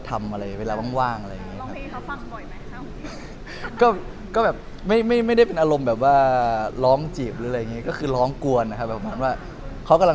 แต่จะบอกว่าผมไม่ใช่คนก่อนจะเขียนขนาดนั้นนะครับ